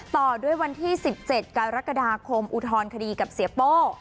ต่อด้วยวันที่๑๗กรกฎาคมอุทธรณคดีกับเสียโป้